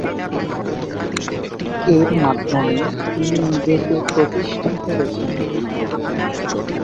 এর মাধ্যমে তিনি নিজেকে প্রতিষ্ঠা করেছেন।